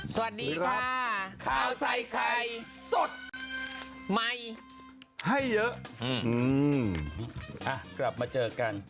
สวัสดีครับข้าวใส่ไข่สดใหม่ให้เยอะอืมอ่ะกลับมาเจอกัน